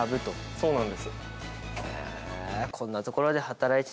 そうなんです。